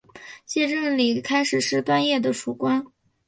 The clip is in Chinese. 谢正礼开始是段业的属官。